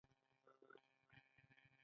دښمن ستا د لوړېدو پر مهال خپه وي